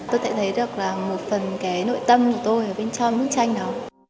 tôi đã thấy được một phần nội tâm của tôi ở bên trong bức tranh đó